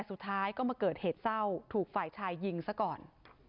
สุดท้ายก็มาเกิดเหตุเศร้าถูกฝ่ายชายยิงซะก่อน